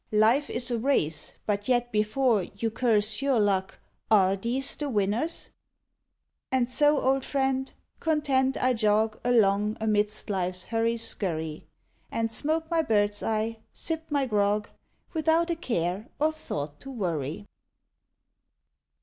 Life is a race but yet, before You curse your luck, are these the winners? And so, old friend, content I jog Along, amidst life's hurry skurry, And smoke my bird's eye, sip my grog, Without a care or thought to worry.